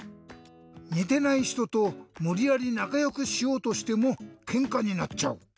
にてないひととむりやりなかよくしようとしてもケンカになっちゃう。